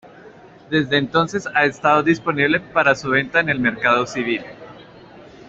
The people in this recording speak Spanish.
Desde entonces ha estado disponible para su venta en el mercado civil.